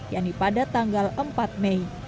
yang dipadat tanggal empat mei